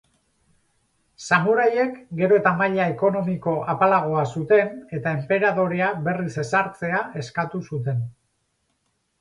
Samuraiek gero eta maila ekonomiko apalagoa zuten eta enperadorea berriz ezartzea eskatu zuten.